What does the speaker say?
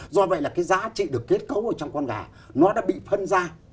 do vậy là cái giá trị được kết cấu ở trong con gà nó đã bị phân ra